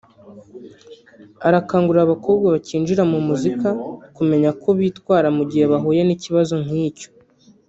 Arakangurira abakobwa bakinjira muri muzika kumenya uko bitwara mu gihe bahuye n’ikibazo nk’icyo